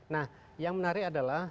nah yang menarik adalah